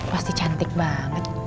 pasti cantik banget